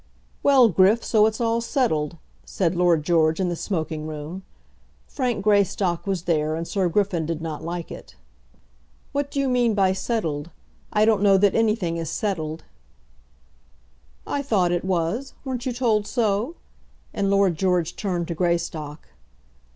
"Well, Griff, so it's all settled," said Lord George in the smoking room. Frank Greystock was there, and Sir Griffin did not like it. "What do you mean by settled? I don't know that anything is settled." "I thought it was. Weren't you told so?" and Lord George turned to Greystock.